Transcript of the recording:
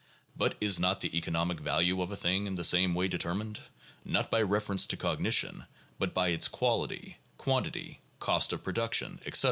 But is not the economic value of a thing in the same way determined, not by reference to cognition, but by its quality, quantity, cost of production, etc ?